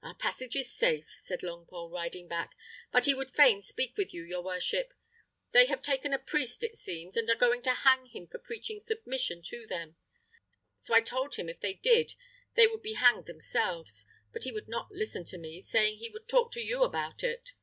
"Our passage is safe," said Longpole, riding back; "but he would fain speak with your worship. They have taken a priest, it seems, and are going to hang him for preaching submission to them. So I told him if they did they would be hanged themselves; but he would not listen to me, saying he would talk to you about it."